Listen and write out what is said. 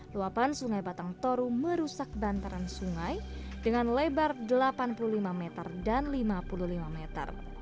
luapan sungai batang toru merusak bantaran sungai dengan lebar delapan puluh lima meter dan lima puluh lima meter